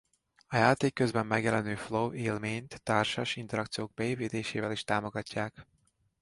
A játék közben megjelenő flow élményt társas interakciók beépítésével is támogatják.